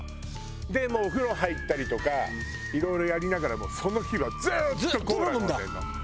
でもうお風呂入ったりとかいろいろやりながらその日はずっとコーラ飲んでるの。